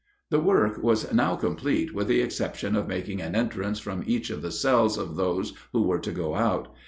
The work was now complete with the exception of making an entrance from each of the cells of those who were to go out.